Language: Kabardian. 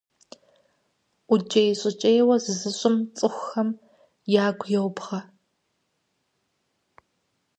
ӀукӀей-щӀыкӀейуэ зызыщӀым цӀыхухэм ягу йобгъэ.